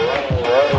gila semua kan